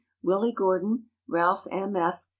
Willie Gordon, Ralph M. F.